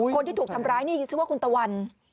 คนที่ถูกทำร้ายนี่ชื่อว่าคุณตะวัน